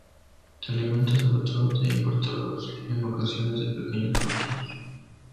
Se alimenta sobre todo de invertebrados y en ocasiones de pequeños frutos.